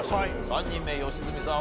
３人目良純さん